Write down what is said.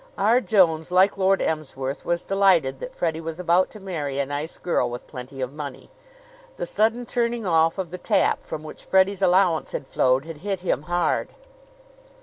R. Jones, like Lord Emsworth, was delighted that Freddie was about to marry a nice girl with plenty of money. The sudden turning off of the tap from which Freddie's allowance had flowed had hit him hard.